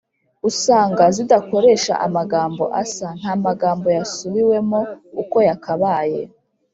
usanga zidakoresha amagambo asa [nta magambo yasubiwemo uko yakabaye]